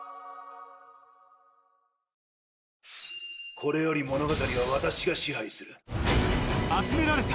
これより物語は私が支配する。